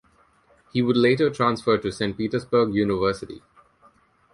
He would later transfer to St.Petersburg University.